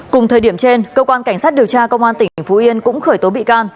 cùng thời điểm trên cơ quan cảnh sát điều tra công an tỉnh phú yên cũng khởi tố bị can